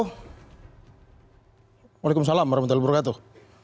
waalaikumsalam warahmatullahi wabarakatuh